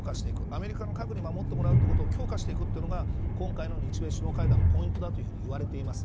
アメリカの核に守ってもらうということを強化していくのが今回の日米首脳会談のポイントだと言われています。